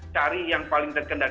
cari yang paling terkendali